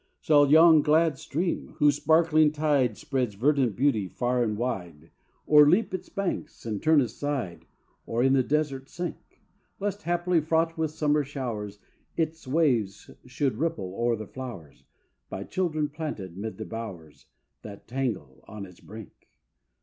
Shall yon glad stream, whose sparkling tide Spreads verdant beauty far and wide, O'erleap its banks and turn aside, Or in the desert sink; Lest, haply, fraught with summer showers, Its waves should ripple o'er the flowers By children planted 'mid the bowers That tangle on its brink?